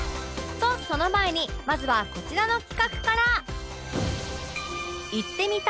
とその前にまずはこちらの企画から